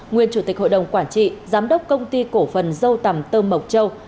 nguyên chủ tịch hội đồng quản trị giám đốc công ty cổ phần dâu tầm tơ mộc châu